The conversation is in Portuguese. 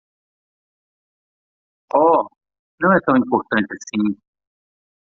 Oh,? não é tão importante assim.